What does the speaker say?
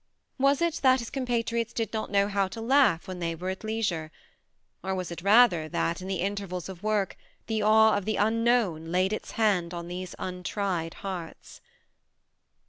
Was it that his compatriots did not know how to laugh when they were at leisure, or was it rather that, in the intervals of work, the awe of the unknown laid its hand on these untried hearts